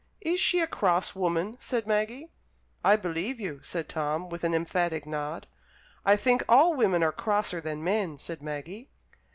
"Is she a cross woman?" said Maggie. "I believe you!" said Tom, with an emphatic nod. "I think all women are crosser than men," said Maggie.